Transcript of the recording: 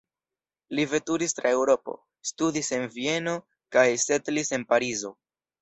Li veturis tra Eŭropo, studis en Vieno kaj setlis en Parizo.